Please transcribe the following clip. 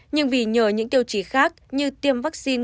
nhưng vì nhờ những tiêu chí khác như tiêm vaccine